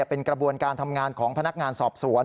เป็นกระบวนการทำงานของพนักงานสอบสวน